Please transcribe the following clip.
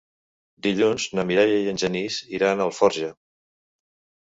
Dilluns na Mireia i en Genís iran a Alforja.